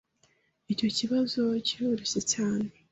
Icyo kibazo kiroroshye cyane